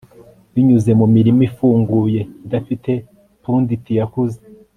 Binyuze mumirima ifunguye idafite punditi yakuze